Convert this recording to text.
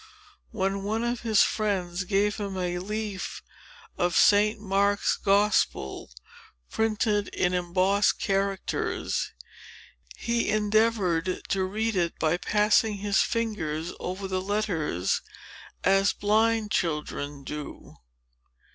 When one of his friends gave him a leaf of Saint Mark's Gospel, printed in embossed characters, he endeavored to read it by passing his fingers over the letters, as blind children do.